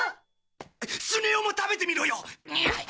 スネ夫も食べてみろよ。